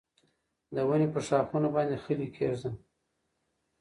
د ونې په ښاخونو باندې خلی کېږده.